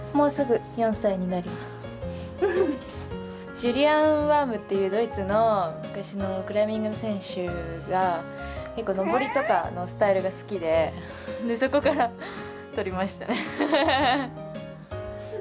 ジュリアン・ワームっていうドイツの昔のクライミングの選手が登りとかのスタイルが好きでそこから取りました。